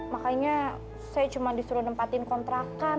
makanya saya cuma disuruh nempatin kontrakan